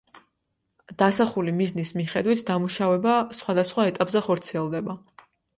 დასახული მიზნის მიხედვით დამუშავება სხვადასხვა ეტაპზე ხორციელდება.